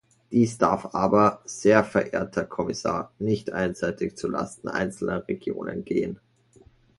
Dies darf aber, sehr verehrter Kommissar, nicht einseitig zulasten einzelner Regionen gehen.